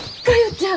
ちゃん！